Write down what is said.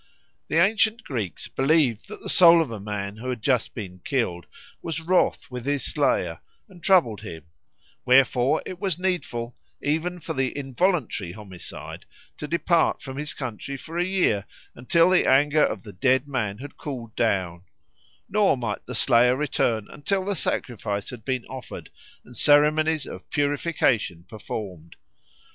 The ancient Greeks believed that the soul of a man who had just been killed was wroth with his slayer and troubled him; wherefore it was needful even for the involuntary homicide to depart from his country for a year until the anger of the dead man had cooled down; nor might the slayer return until sacrifice had been offered and ceremonies of purification performed.